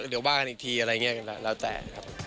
ก็เดี๋ยวบ้านอีกทีอะไรอย่างนี้แล้วแต่